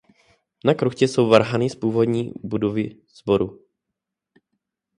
Na kruchtě jsou varhany z původní budovy sboru.